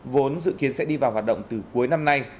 vốn dự kiến sẽ đi vào hoạt động từ cuối năm nay